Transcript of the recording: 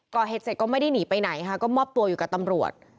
ก่อเหตุเสร็จก็ไม่ได้หนีไปไหนค่ะก็มอบตัวอยู่กับตำรวจ